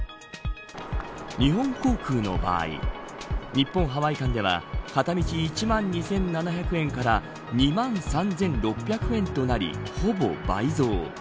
日本航空の場合日本、ハワイ間では片道１万２７００円から２万３６００円となりほぼ倍増。